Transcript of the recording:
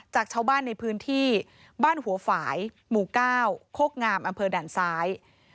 จากชาวบ้านในพื้นที่บ้านหัวฝ่ายหมู่๙โคกงามอำเภอด่านซ้าย